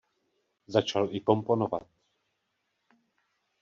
Začal i komponovat.